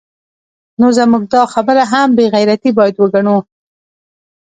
نو زموږ دا خبره هم بې غیرتي باید وګڼو